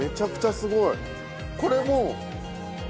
すごい！